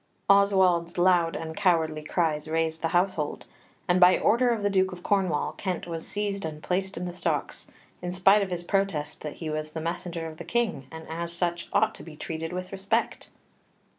Oswald's loud and cowardly cries raised the household, and by order of the Duke of Cornwall, Kent was seized and placed in the stocks, in spite of his protest that he was the messenger of the King, and as such ought to be treated with respect.